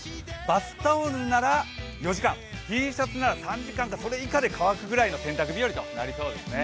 バスタオルなら４時間、Ｔシャツならそれ以下で乾くぐらいの洗濯日和となりそうですね。